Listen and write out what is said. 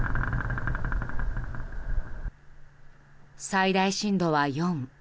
最大震度は４。